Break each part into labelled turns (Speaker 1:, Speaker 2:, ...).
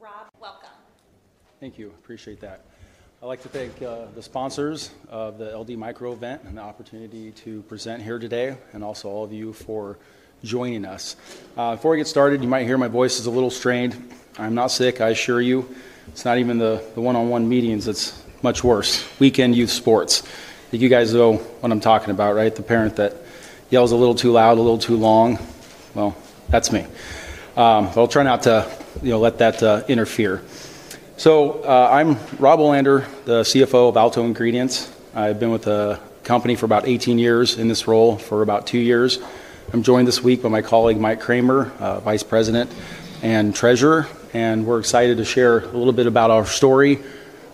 Speaker 1: Okay, I'd like to introduce Rob Olander. Welcome.
Speaker 2: Thank you, I appreciate that. I'd like to thank the sponsors of the LD Micro event and the opportunity to present here today, and also all of you for joining us. Before we get started, you might hear my voice is a little strained. I'm not sick, I assure you. It's not even the one-on-one meetings, it's much worse, weekend youth sports. I think you guys know what I'm talking about, right? The parent that yells a little too loud, a little too long. That's me. I'll try not to let that interfere. I'm Rob Olander, the Chief Financial Officer of Alto Ingredients. I've been with the company for about 18 years, in this role for about two years. I'm joined this week by my colleague Mike Kramer, Vice President and Treasurer, and we're excited to share a little bit about our story,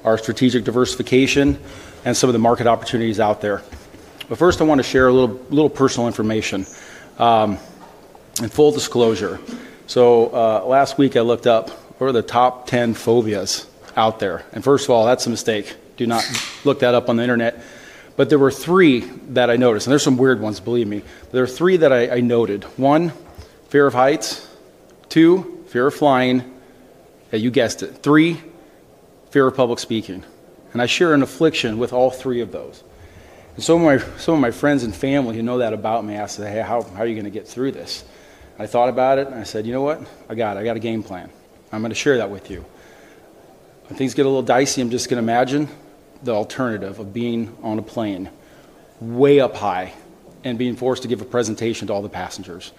Speaker 2: our strategic diversification, and some of the market opportunities out there. First, I want to share a little personal information. In full disclosure, last week I looked up what are the top 10 phobias out there, and first of all, that's a mistake, do not look that up on the internet. There were three that I noticed, and there are some weird ones, believe me. There are three that I noted. One, fear of heights. Two, fear of flying. Yeah, you guessed it. Three, fear of public speaking. I share an affliction with all three of those. Some of my friends and family who know that about me asked, "Hey, how are you going to get through this?" I thought about it and I said, "You know what? I got it. I got a game plan. I'm going to share that with you." When things get a little dicey, I'm just going to imagine the alternative of being on a plane, way up high, and being forced to give a presentation to all the passengers.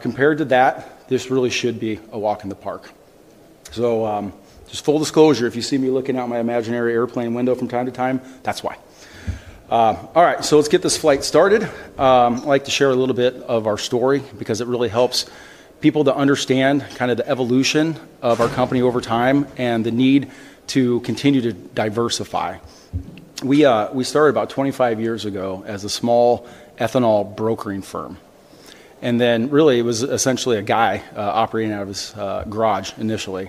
Speaker 2: Compared to that, this really should be a walk in the park. Just full disclosure, if you see me looking out my imaginary airplane window from time to time, that's why. All right, let's get this flight started. I'd like to share a little bit of our story because it really helps people to understand the evolution of our company over time and the need to continue to diversify. We started about 25 years ago as a small ethanol brokering firm. It was essentially a guy operating out of his garage initially.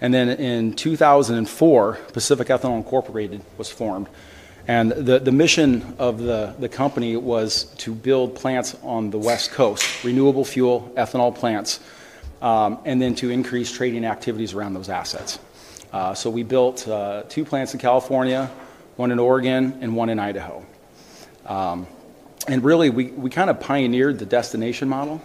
Speaker 2: In 2004, Pacific Ethanol Incorporated was formed. The mission of the company was to build plants on the West Coast, renewable fuel ethanol plants, and then to increase trading activities around those assets. We built two plants in California, one in Oregon, and one in Idaho. We kind of pioneered the destination model.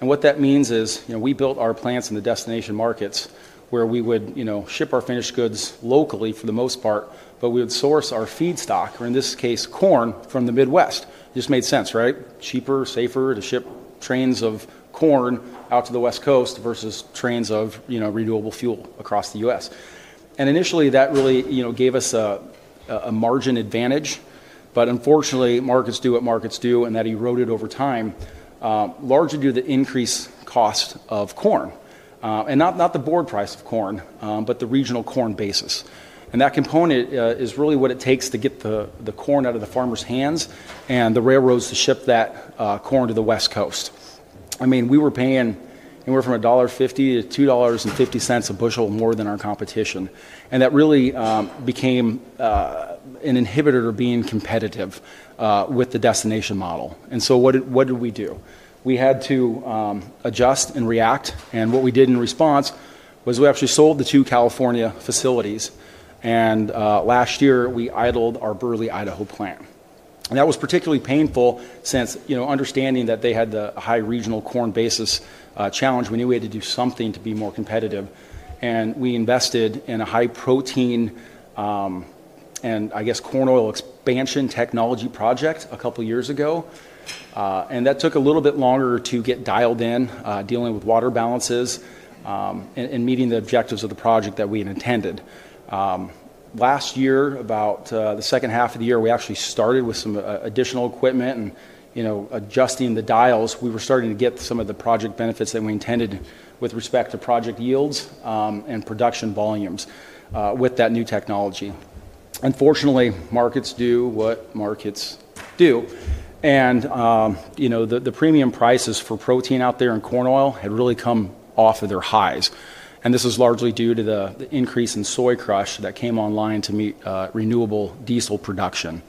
Speaker 2: What that means is, we built our plants in the destination markets where we would ship our finished goods locally for the most part, but we would source our feedstock, or in this case, corn from the Midwest. It just made sense, right? Cheaper, safer to ship trains of corn out to the West Coast versus trains of renewable fuel across the U.S. Initially, that really gave us a margin advantage, but unfortunately, markets do what markets do, and that eroded over time, largely due to the increased cost of corn. Not the board price of corn, but the regional corn basis. That component is really what it takes to get the corn out of the farmer's hands and the railroads to ship that corn to the West Coast. We were paying anywhere from $1.50-$2.50 a bushel more than our competition. That really became an inhibitor to being competitive with the destination model. What did we do? We had to adjust and react, and what we did in response was we actually sold the two California facilities. Last year, we idled our Burley, Idaho plant. That was particularly painful since, understanding that they had the high regional corn basis challenge, we knew we had to do something to be more competitive. We invested in a high protein and, I guess, corn oil expansion technology project a couple of years ago. That took a little bit longer to get dialed in, dealing with water balances and meeting the objectives of the project that we had intended. Last year, about the second half of the year, we actually started with some additional equipment and adjusting the dials. We were starting to get some of the project benefits that we intended with respect to project yields and production volumes with that new technology. Unfortunately, markets do what markets do. The premium prices for protein out there in corn oil had really come off of their highs. This was largely due to the increase in soy crush that came online to meet renewable diesel production.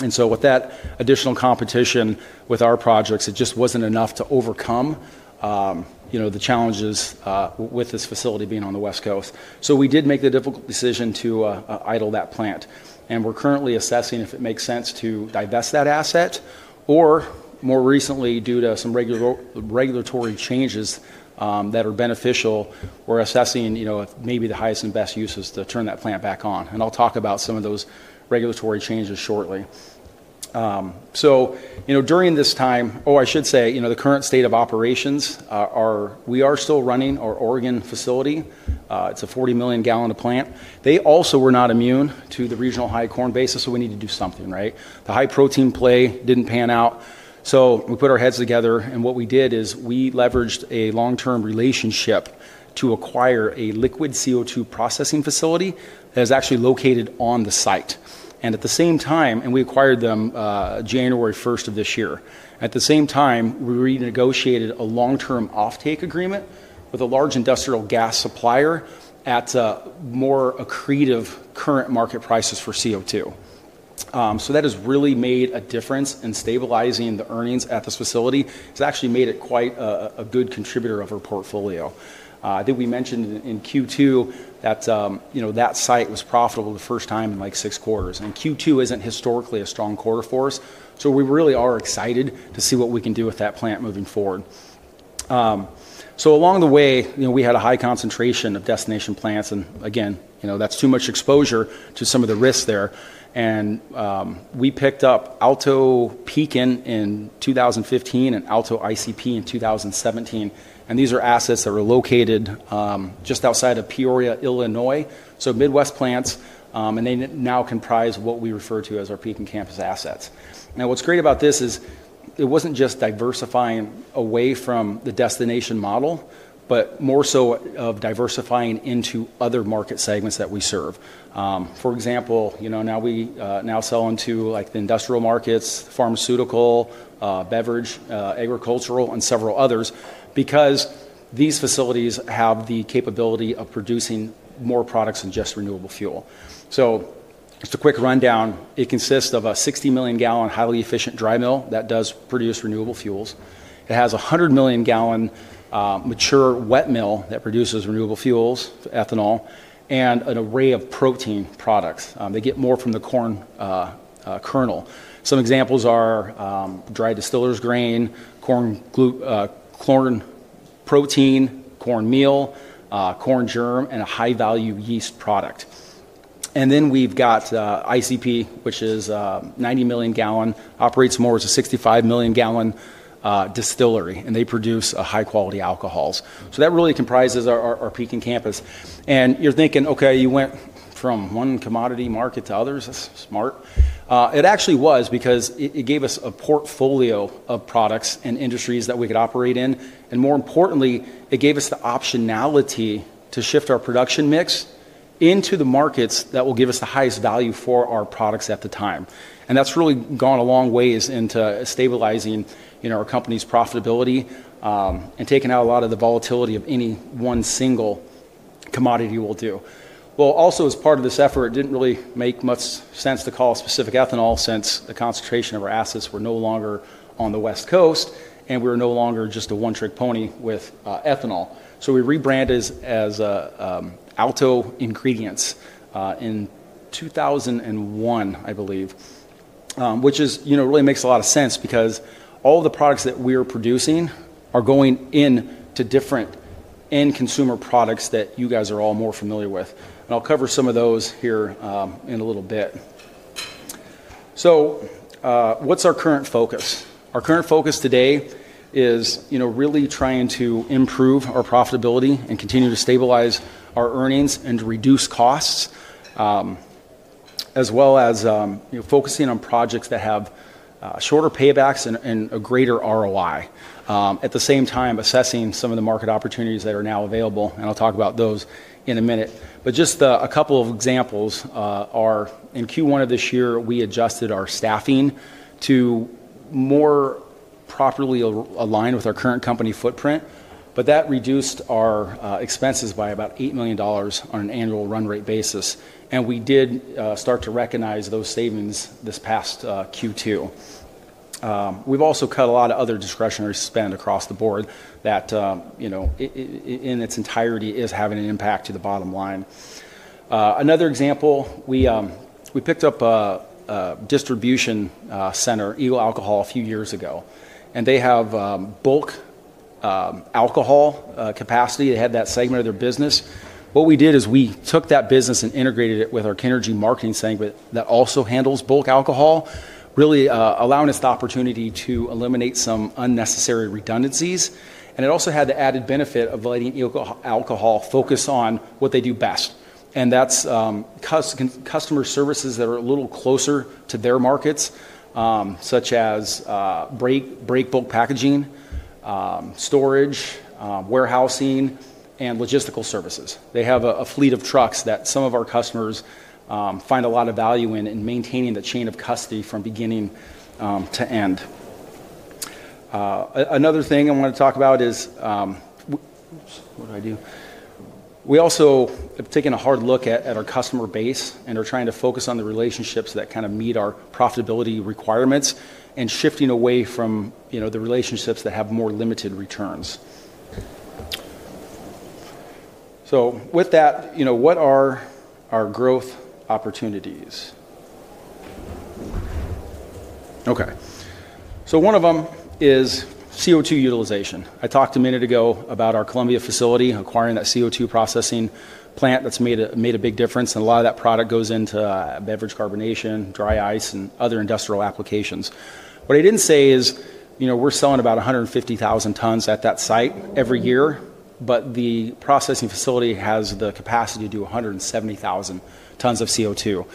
Speaker 2: With that additional competition with our projects, it just was not enough to overcome the challenges with this facility being on the West Coast. We did make the difficult decision to idle that plant. We're currently assessing if it makes sense to divest that asset, or more recently, due to some regulatory changes that are beneficial, we're assessing, you know, maybe the highest and best use is to turn that plant back on. I'll talk about some of those regulatory changes shortly. During this time, I should say, the current state of operations is we are still running our Oregon facility. It's a 40 million gallon plant. They also were not immune to the regional high corn basis, so we need to do something, right? The high protein play didn't pan out. We put our heads together, and what we did is we leveraged a long-term relationship to acquire a liquid CO2 processing facility that is actually located on the site. We acquired them January 1st of this year. At the same time, we renegotiated a long-term offtake agreement with a large industrial gas supplier at more accretive current market prices for CO2. That has really made a difference in stabilizing the earnings at this facility. It's actually made it quite a good contributor of our portfolio. I think we mentioned in Q2 that site was profitable the first time in like six quarters. Q2 isn't historically a strong quarter for us. We really are excited to see what we can do with that plant moving forward. Along the way, we had a high concentration of destination plants, and again, that's too much exposure to some of the risks there. We picked up Alto Pekin in 2015 and Alto ICP in 2017. These are assets that were located just outside of Peoria, Illinois. Midwest plants, and they now comprise what we refer to as our Pekin Campus assets. What's great about this is it wasn't just diversifying away from the destination model, but more so diversifying into other market segments that we serve. For example, now we sell into the industrial markets, pharmaceutical, beverage, agricultural, and several others because these facilities have the capability of producing more products than just renewable fuel. Just a quick rundown, it consists of a 60 million gallon highly efficient dry mill that does produce renewable fuels. It has a 100 million gallon mature wet mill that produces renewable fuels, ethanol, and an array of protein products. They get more from the corn kernel. Some examples are dried distillers grain, corn protein, corn meal, corn germ, and a high-value yeast product. Then we've got ICP, which is a 90 million gallon, operates more as a 65 million gallon distillery, and they produce high-quality alcohols. That really comprises our Pekin Campus. You're thinking, okay, you went from one commodity market to others. That's smart. It actually was because it gave us a portfolio of products and industries that we could operate in. More importantly, it gave us the optionality to shift our production mix into the markets that will give us the highest value for our products at the time. That's really gone a long way into stabilizing our company's profitability and taking out a lot of the volatility of any one single commodity we'll do. Also as part of this effort, it didn't really make much sense to call a specific ethanol since the concentration of our assets were no longer on the West Coast, and we were no longer just a one-trick pony with ethanol. We rebranded as Alto Ingredients in 2021, I believe, which really makes a lot of sense because all of the products that we are producing are going into different end-consumer products that you guys are all more familiar with. I'll cover some of those here in a little bit. What's our current focus? Our current focus today is really trying to improve our profitability and continue to stabilize our earnings and to reduce costs, as well as focusing on projects that have shorter paybacks and a greater ROI. At the same time, assessing some of the market opportunities that are now available, I'll talk about those in a minute. Just a couple of examples are in Q1 of this year, we adjusted our staffing to more properly align with our current company footprint, but that reduced our expenses by about $8 million on an annual run rate basis. We did start to recognize those savings this past Q2. We've also cut a lot of other discretionary spend across the board that in its entirety is having an impact to the bottom line. Another example, we picked up a distribution center, Eagle Alcohol, a few years ago, and they have bulk alcohol capacity. They had that segment of their business. What we did is we took that business and integrated it with our Kennergy marketing segment that also handles bulk alcohol, really allowing us the opportunity to eliminate some unnecessary redundancies. It also had the added benefit of letting Eagle Alcohol focus on what they do best, and that's customer services that are a little closer to their markets, such as break bulk packaging, storage, warehousing, and logistical services. They have a fleet of trucks that some of our customers find a lot of value in maintaining the chain of custody from beginning to end. Another thing I want to talk about is, we also have taken a hard look at our customer base and are trying to focus on the relationships that kind of meet our profitability requirements and shifting away from the relationships that have more limited returns. With that, what are our growth opportunities? One of them is CO2 utilization. I talked a minute ago about our Columbia, Oregon facility acquiring that CO2 processing plant that's made a big difference, and a lot of that product goes into beverage carbonation, dry ice, and other industrial applications. What I didn't say is, we're selling about 150,000 tons at that site every year, but the processing facility has the capacity to do 170,000 tons of CO2.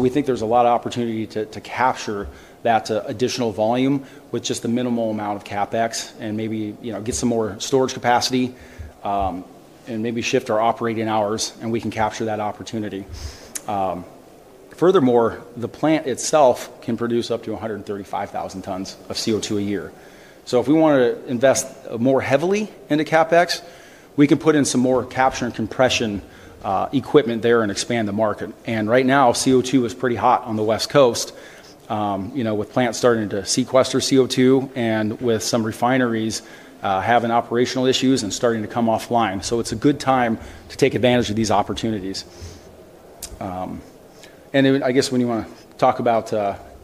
Speaker 2: We think there's a lot of opportunity to capture that additional volume with just a minimal amount of CapEx and maybe get some more storage capacity and maybe shift our operating hours, and we can capture that opportunity. Furthermore, the plant itself can produce up to 135,000 tons of CO2 a year. If we want to invest more heavily into CapEx, we could put in some more capture and compression equipment there and expand the market. Right now, CO2 is pretty hot on the West Coast, with plants starting to sequester CO2 and with some refineries having operational issues and starting to come offline. It is a good time to take advantage of these opportunities.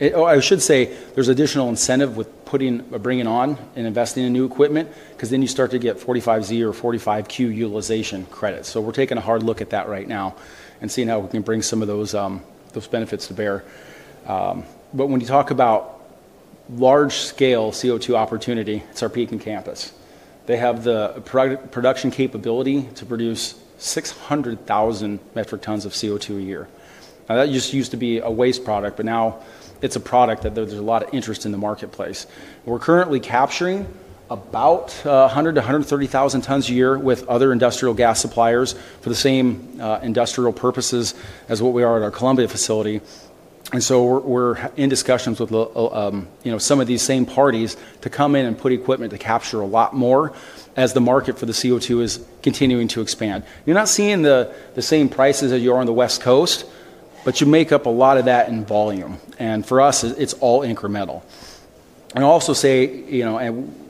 Speaker 2: I should say there's additional incentive with putting or bringing on and investing in new equipment because then you start to get 45Z or 45Q utilization credits. We are taking a hard look at that right now and seeing how we can bring some of those benefits to bear. When you talk about large-scale CO2 opportunity, it's our Pekin Campus. They have the production capability to produce 600,000 metric tons of CO2 a year. That just used to be a waste product, but now it's a product that there's a lot of interest in the marketplace. We're currently capturing about 100,000-130,000 tons a year with other industrial gas suppliers for the same industrial purposes as what we are at our Columbia facility. We're in discussions with some of these same parties to come in and put equipment to capture a lot more as the market for the CO2 is continuing to expand. You're not seeing the same prices as you are on the West Coast, but you make up a lot of that in volume. For us, it's all incremental. I'll also say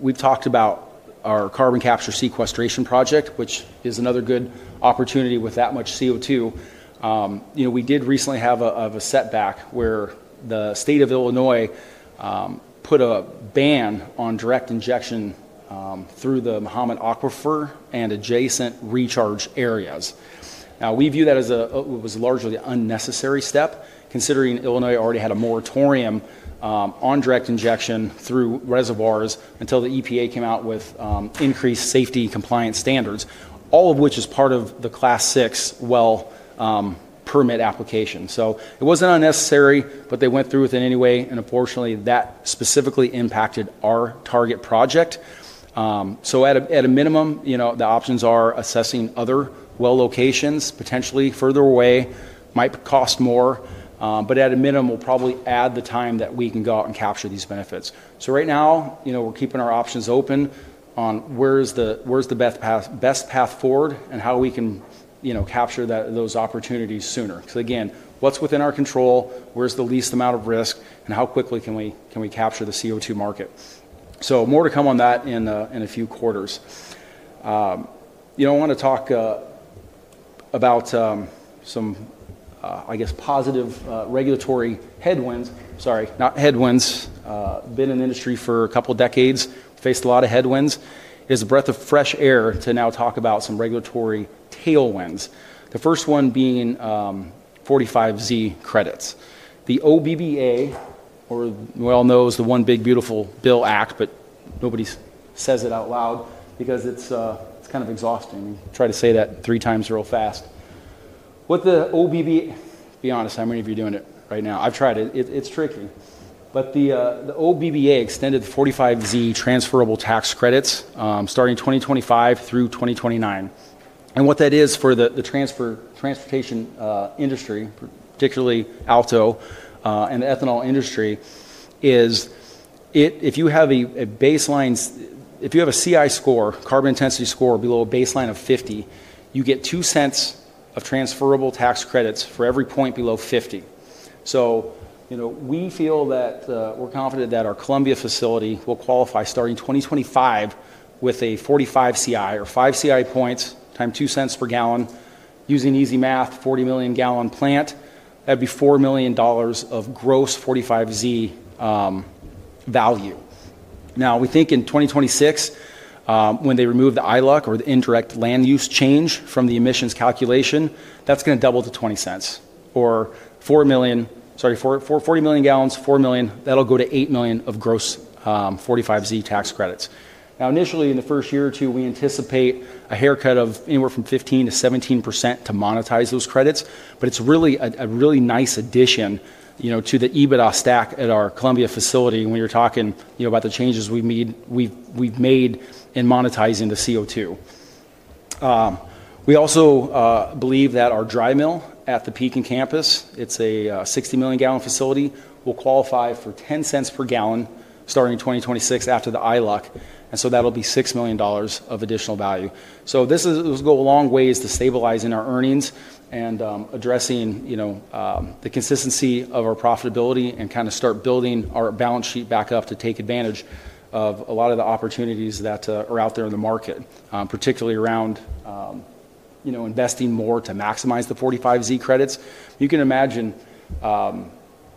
Speaker 2: we've talked about our carbon capture sequestration project, which is another good opportunity with that much CO2. We did recently have a setback where the state of Illinois put a ban on direct injection through the Mohammed Aquifer and adjacent recharge areas. We view that as a, it was largely an unnecessary step considering Illinois already had a moratorium on direct injection through reservoirs until the EPA came out with increased safety and compliance standards, all of which is part of the Class VI well permit application. It wasn't unnecessary, but they went through with it anyway, and unfortunately, that specifically impacted our target project. At a minimum, the options are assessing other well locations potentially further away, might cost more, but at a minimum, we'll probably add the time that we can go out and capture these benefits. Right now, we're keeping our options open on where's the best path forward and how we can capture those opportunities sooner. Again, what's within our control, where's the least amount of risk, and how quickly can we capture the CO2 market? More to come on that in a few quarters. I want to talk about some, I guess, positive regulatory headwinds. Sorry, not headwinds. Been in the industry for a couple of decades, faced a lot of headwinds. It's a breath of fresh air to now talk about some regulatory tailwinds. The first one being 45Z credits. The OBBA, or we all know is the one big beautiful bill act, but nobody says it out loud because it's kind of exhausting. Try to say that 3x real fast. What the OBBA, be honest, how many of you are doing it right now? I've tried it. It's tricky. The OBBA extended the 45Z transferable tax credits starting 2025 through 2029. What that is for the transportation industry, particularly Alto and the ethanol industry, is if you have a baseline, if you have a CI score, carbon intensity score below a baseline of 50, you get $0.02 of transferable tax credits for every point below 50. We feel that we're confident that our Columbia facility will qualify starting 2025 with a 45 CI or 5 CI points times $0.02 per gallon. Using easy math, 40 million gallon plant, that'd be $4 million of gross 45Z value. We think in 2026, when they remove the ILUC or the indirect land use change from the emissions calculation, that's going to double to $0.20. For 40 million gallons, $4 million, that'll go to $8 million of gross 45Z tax credits. Initially in the first year or two, we anticipate a haircut of anywhere from 15%-17% to monetize those credits, but it's really a really nice addition to the EBITDA stack at our Columbia facility when you're talking about the changes we've made in monetizing the CO2. We also believe that our dry mill at the Pekin Campus, it's a 60 million gallon facility, will qualify for $0.10 per gallon starting in 2026 after the ILUC, and so that'll be $6 million of additional value. This will go a long way to stabilizing our earnings and addressing the consistency of our profitability and kind of start building our balance sheet back up to take advantage of a lot of the opportunities that are out there in the market, particularly around investing more to maximize the 45Z credits. You can imagine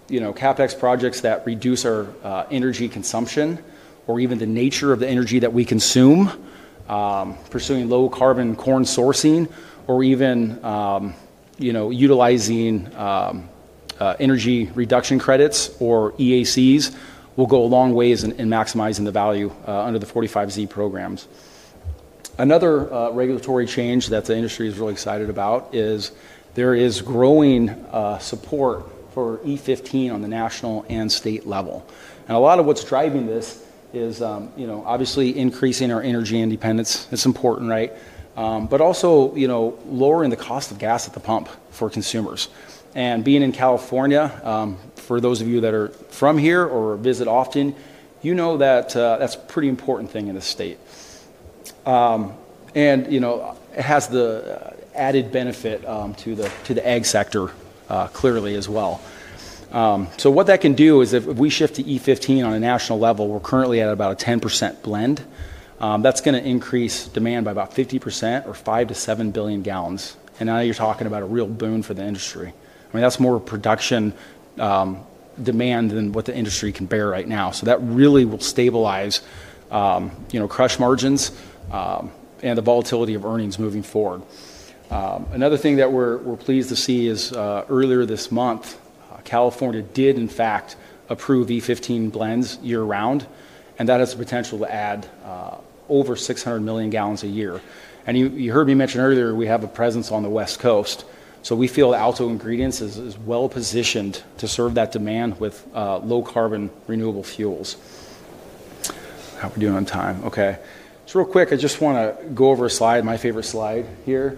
Speaker 2: CapEx projects that reduce our energy consumption or even the nature of the energy that we consume, pursuing low carbon corn sourcing or even utilizing energy reduction credits or EACs will go a long way in maximizing the value under the 45Z programs. Another regulatory change that the industry is really excited about is there is growing support for E15 on the national and state level. A lot of what's driving this is obviously increasing our energy independence. It's important, right? Also, lowering the cost of gas at the pump for consumers. Being in California, for those of you that are from here or visit often, you know that that's a pretty important thing in the state. It has the added benefit to the ag sector clearly as well. What that can do is if we shift to E15 on a national level, we're currently at about a 10% blend. That's going to increase demand by about 50% or 5 billion-7 billion gallons. Now you're talking about a real boon for the industry. I mean, that's more of a production demand than what the industry can bear right now. That really will stabilize, you know, crush margins and the volatility of earnings moving forward. Another thing that we're pleased to see is earlier this month, California did in fact approve E15 blends year-round, and that has the potential to add over 600 million gallons a year. You heard me mention earlier, we have a presence on the West Coast. We feel Alto Ingredients is well positioned to serve that demand with low carbon renewable fuels. How are we doing on time? Okay. Real quick, I just want to go over a slide, my favorite slide here.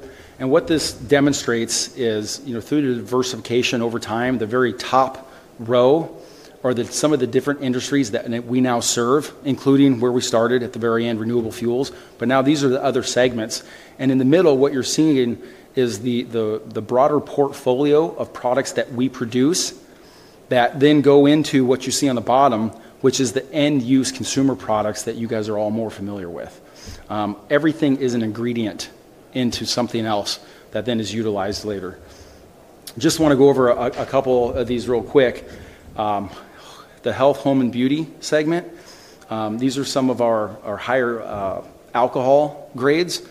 Speaker 2: What this demonstrates is, you know, through the diversification over time, the very top row are some of the different industries that we now serve, including where we started at the very end, renewable fuels. Now these are the other segments. In the middle, what you're seeing is the broader portfolio of products that we produce that then go into what you see on the bottom, which is the end-use consumer products that you guys are all more familiar with. Everything is an ingredient into something else that then is utilized later. I just want to go over a couple of these real quick. The health, home, and beauty segment. These are some of our higher alcohol grades.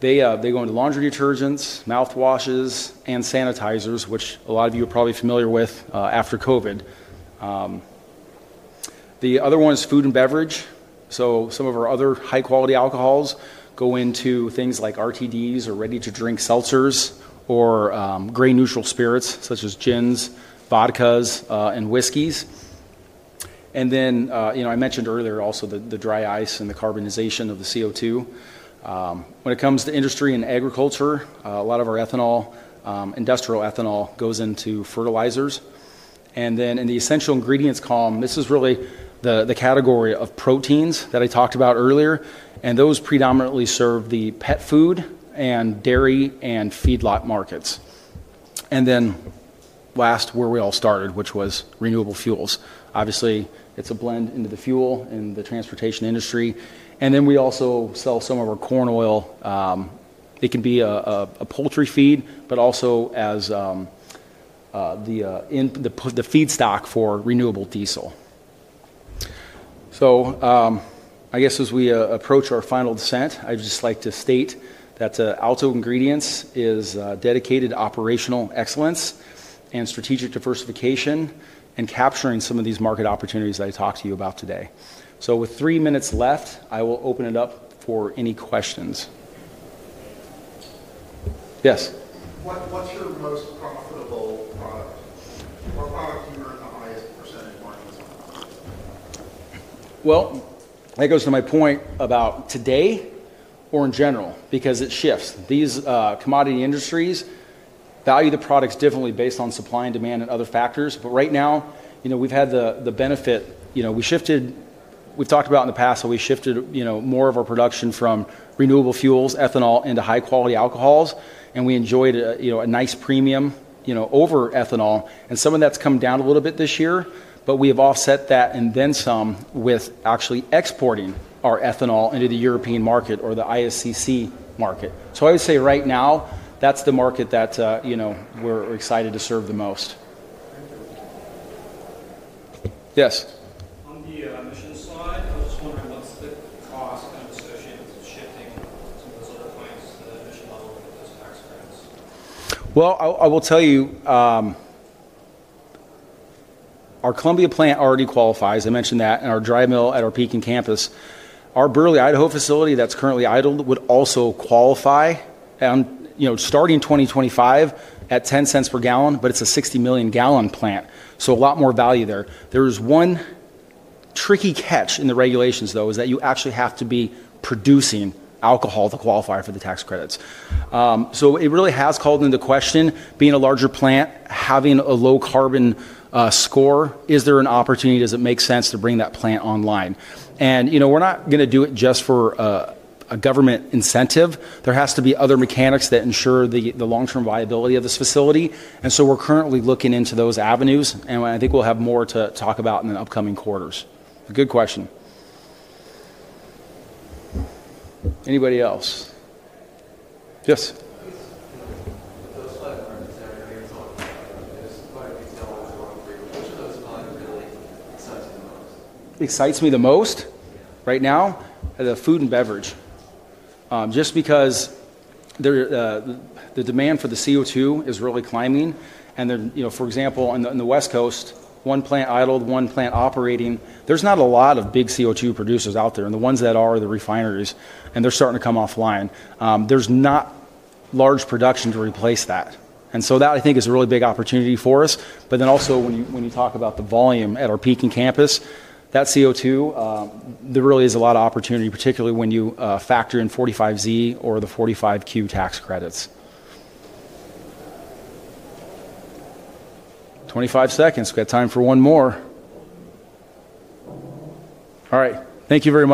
Speaker 2: They go into laundry detergents, mouthwashes, and sanitizers, which a lot of you are probably familiar with after COVID. The other one is food and beverage. Some of our other high-quality alcohols go into things like RTDs or ready-to-drink seltzers or gray neutral spirits such as gins, vodkas, and whiskeys. I mentioned earlier also the dry ice and the carbonization of the CO2. When it comes to industry and agriculture, a lot of our ethanol, industrial ethanol, goes into fertilizers. In the essential ingredients column, this is really the category of proteins that I talked about earlier. Those predominantly serve the pet food and dairy and feedlot markets. Last, where we all started, which was renewable fuels. Obviously, it's a blend into the fuel and the transportation industry. We also sell some of our corn oil. It can be a poultry feed, but also as the feedstock for renewable diesel. As we approach our final descent, I'd just like to state that Alto Ingredients is dedicated to operational excellence and strategic diversification and capturing some of these market opportunities that I talked to you about today. With three minutes left, I will open it up for any questions. Yes? What's your most profitable product? What product do you earn the highest percentage margins on? That goes to my point about today or in general because it shifts. These commodity industries value the products differently based on supply and demand and other factors. Right now, you know, we've had the benefit, you know, we shifted, we've talked about in the past, we shifted, you know, more of our production from renewable fuels, ethanol, into high-quality alcohols. We enjoyed a nice premium, you know, over ethanol. Some of that's come down a little bit this year, but we have offset that and then some with actually exporting our ethanol into the European market or the ISCC market. I would say right now, that's the market that, you know, we're excited to serve the most. Yes? On the emissions side, I was just wondering what's the cost kind of associated with shifting some of those other plants to the emission level to get those tax credits? Our Columbia plant already qualifies. I mentioned that in our dry mill at our Pekin Campus. Our Burley, Idaho facility that's currently idled would also qualify. Starting 2025 at $0.10 per gallon, but it's a 60 million gallon plant, so a lot more value there. There is one tricky catch in the regulations, though, which is that you actually have to be producing alcohol to qualify for the tax credits. It really has called into question being a larger plant, having a low carbon score. Is there an opportunity? Does it make sense to bring that plant online? We're not going to do it just for a government incentive. There have to be other mechanics that ensure the long-term viability of this facility. We're currently looking into those avenues. I think we'll have more to talk about in the upcoming quarters. Good question. Anybody else? Yes? With those five markets that I know you're talking about, there's quite a few tailwinds going for you. Which of those five really excites you the most? Excites me the most right now? The food and beverage. Just because the demand for the CO2 is really climbing. For example, on the West Coast, one plant idled, one plant operating. There's not a lot of big CO2 producers out there. The ones that are the refineries, and they're starting to come offline. There's not large production to replace that. I think that is a really big opportunity for us. Also, when you talk about the volume at our Pekin Campus, that CO2, there really is a lot of opportunity, particularly when you factor in 45Z or the 45Q tax credits. 25 seconds. We got time for one more. All right. Thank you very much.